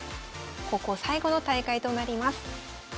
高校最後の大会となります。